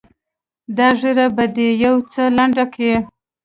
دا ږيره به دې يو څه لنډه کې.